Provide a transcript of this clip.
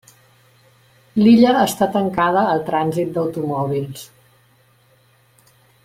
L'illa està tancada al trànsit d'automòbils.